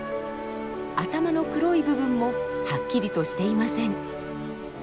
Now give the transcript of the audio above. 頭の黒い部分もはっきりとしていません。